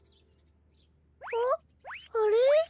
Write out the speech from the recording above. んっあれ？